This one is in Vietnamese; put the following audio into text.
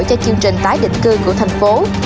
cho chương trình tái định cư của thành phố